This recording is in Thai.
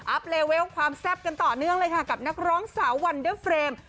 เลเวลความแซ่บกันต่อเนื่องเลยค่ะกับนักร้องสาววันเดอร์เฟรม